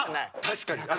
確かに。